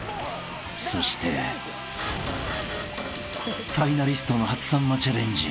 ［そして］［ファイナリストの初さんまチャレンジ］